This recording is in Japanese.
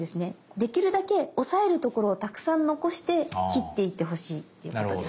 できるだけ押さえるところをたくさん残して切っていってほしいっていうことです。